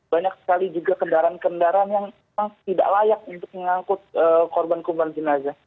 banyak sekali juga kendaraan kendaraan yang memang tidak layak untuk mengangkut korban korban jenazah